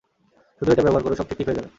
শুধু এটা ব্যবহার করো সব ঠিক ঠিক হয়ে যাবে।